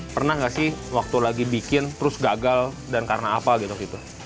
pernah nggak sih waktu lagi bikin terus gagal dan karena apa gitu